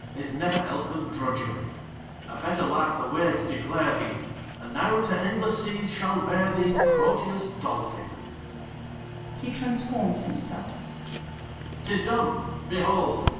Is never else than drudgery : A better life the waves declare thee, And now to endless seas shall bear thee Proteus Dolphin. {He transforms himself,) 'T is done! Behold!